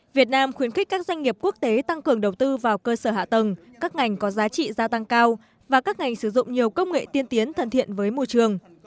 việt nam khuyến khích các doanh nghiệp quốc tế tăng cường đầu tư vào cơ sở hạ tầng các ngành có giá trị gia tăng cao và các ngành sử dụng nhiều công nghệ tiên tiến thân thiện với môi trường